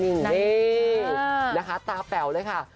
นี่นะคะตาแป๋วเลยค่ะ